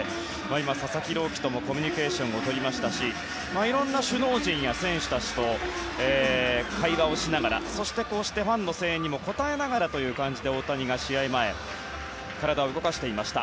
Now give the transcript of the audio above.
今、佐々木朗希ともコミュニケーションを取りましたしいろんな首脳陣や選手たちと会話をしながらそして、ファンの声援にも応えながらという感じで大谷が試合前体を動かしていました。